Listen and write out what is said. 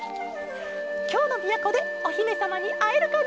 「きょうのみやこでおひめさまにあえるかな？